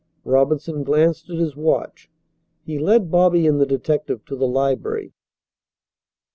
Robinson glanced at his watch. He led Bobby and the detective to the library.